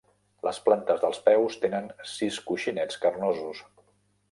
Les plantes dels peus tenen sis coixinets carnosos.